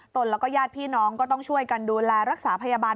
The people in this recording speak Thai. นแล้วก็ญาติพี่น้องก็ต้องช่วยกันดูแลรักษาพยาบาล